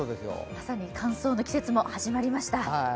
まさに乾燥の季節も始まりました。